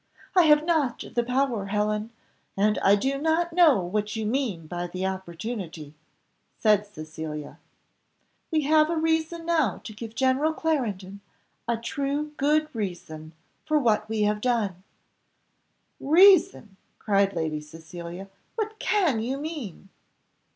"I have not the power, Helen, and I do not know what you mean by the opportunity," said Cecilia. "We have a reason now to give General Clarendon a true good reason, for what we have done." "Reason!" cried Lady Cecilia, "what can you mean?"